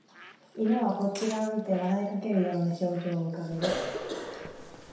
犬はこちらを見て笑いかけるような表情を浮かべる